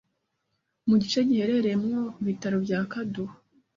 Mu gice giherereyemo Ibitaro bya Kaduha